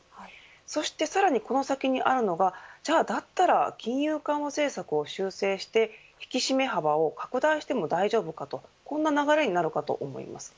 そしてさらにこの先にあるのがじゃあ、だったら金融緩和政策を修正して引き締め幅を拡大しても大丈夫かという流れになると思います。